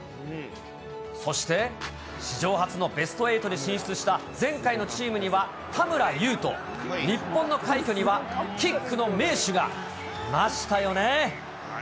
そして史上初のベスト８に進出した前回のチームには田村優と、日本の快挙にはキックの名手がいましたよね。